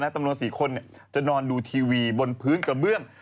จำนวน๔คนจะนอนดูทีวีบนพื้นกระเบื้อง